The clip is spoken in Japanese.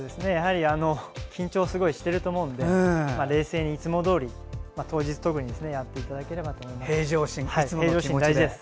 緊張、すごいしてると思うので冷静にいつもどおり当日、特にやっていただければと思います。